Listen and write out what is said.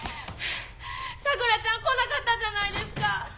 桜ちゃん来なかったじゃないですか！？